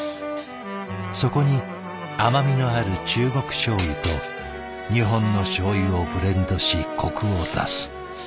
そこに甘みのある中国しょう油と日本のしょう油をブレンドしコクを出す。